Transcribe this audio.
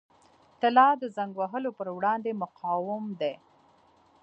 طلا د زنګ وهلو پر وړاندې مقاوم دی.